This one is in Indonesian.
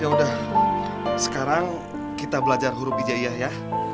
ya udah sekarang kita belajar huruf hijaiyah ya